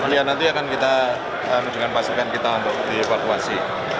iya nanti akan kita dengan pasukan kita di evakuasi